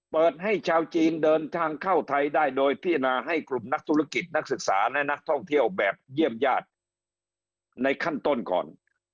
เปิดให้ชาวจีนเดินทางเข้าไทยได้โดยพิจารณาให้กลุ่มนักธุรกิจนักศึกษาและนักท่องเที่ยวแบบเยี่ยมญาติในขั้นต้นก่อน